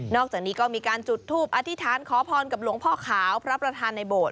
อกจากนี้ก็มีการจุดทูปอธิษฐานขอพรกับหลวงพ่อขาวพระประธานในโบสถ